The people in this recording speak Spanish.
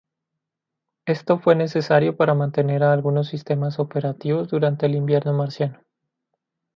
Esto fue necesario para mantener a algunos sistemas operativos durante el invierno marciano.